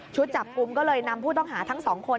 ชุดจับกุ้มก็เลยนำผู้ต้องหาทั้ง๒คน